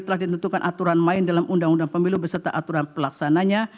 telah ditentukan aturan main dalam uud beserta aturan pelaksananya